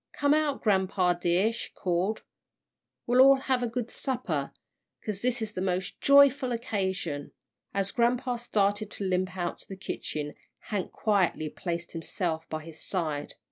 "Come out, grampa dear," she called, "we'll all have a good supper, 'cause this is a most joyful 'casion." As grampa started to limp out to the kitchen, Hank quietly placed himself by his side.